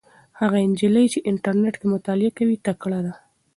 هغه نجلۍ چې په انټرنيټ کې مطالعه کوي تکړه ده.